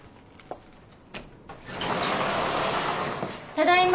ただいま。